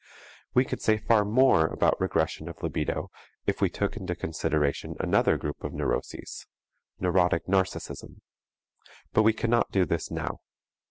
We could say far more about regression of libido if we took into consideration another group of neuroses: neurotic narcism. But we cannot do this now.